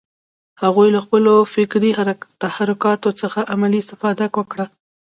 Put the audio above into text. هغوی له خپلو فکري تحرکات څخه عملي استفاده وکړه